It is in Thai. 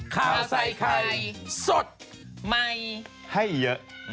ข่าวไส้ใครสดไมให้เยอะ